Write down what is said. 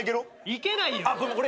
いけないよ。